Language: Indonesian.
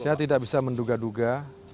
saya tidak bisa menduga duga